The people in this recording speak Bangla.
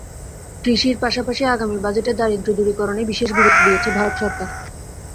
কৃষির পাশাপাশি আগামী বাজেটে দারিদ্র্য দূরীকরণে বিশেষ গুরুত্ব দিয়েছে ভারত সরকার।